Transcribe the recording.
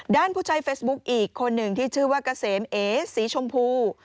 ด้านผู้ชายเฟซบุ๊กอีกคนหนึ่งที่ชื่อว่ากระเสมเอสีชมพู